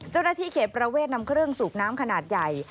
เจ้าหน้าที่เขตประเวทนำเครื่องสูบน้ำขนาดใหญ่